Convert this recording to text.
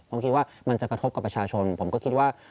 ผมคิดว่ามันจะกระทบกับประชาชนผมก็คิดว่า